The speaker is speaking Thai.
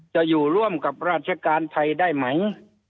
จะอยู่ร่วมกับราชการไทยได้ไหม